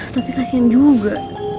tapi kasian juga